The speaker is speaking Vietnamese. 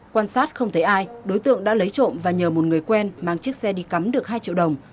quan sát không thấy ai đối tượng đã lấy trộm và nhờ một người quen mang chiếc xe đi cắm được hai triệu đồng